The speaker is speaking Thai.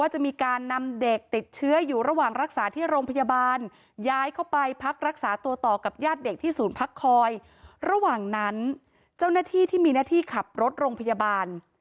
หลังนั้นเจ้าหน้าที่ที่มีหน้าที่ขับรถโรงพยาบาล